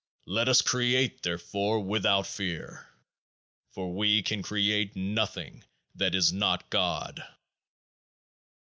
Let us create therefore without fear ; for we can create nothing that is not GOD.